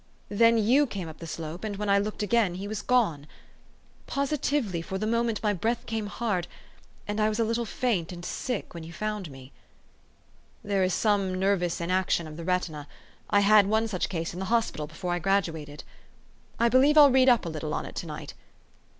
Then you came up the slope, and, when I looked again, he was gone. Positively, for the moment my breath came hard, and I was a little faint and sick when you found me. 414 THE STORY OF AVIS. " There is some nervous inaction of the retina. I had one such case in the hospital before I graduated. I believe I'll read up a little on it to night.